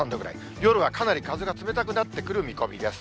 夜はかなり風が冷たくなってくる見込みです。